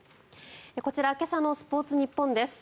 こちら今朝のスポーツニッポンです。